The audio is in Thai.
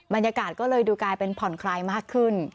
บรรยากาศก็เลยดูกลายเป็นผ่อนคลายมากขึ้น